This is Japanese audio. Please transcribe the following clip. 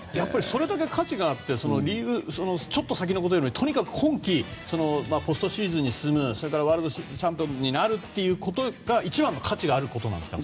それだけ価値があってちょっと先のことよりとにかく今季ポストシーズンに進むそれからワールドチャンピオンになるということが一番価値があることなんですか？